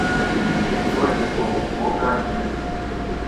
دوای دەکەوم، بۆم ناگیرێ